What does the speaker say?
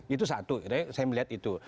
itu satu saya melihat itu